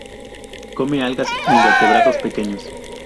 Come algas e invertebrados pequeños.